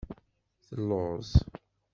Telluẓ.